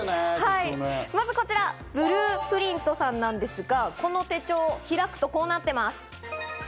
まずこちら、ＢＬＵＥＰＲＩＮＴさんなんですが、この手帳を開くとこうなっています。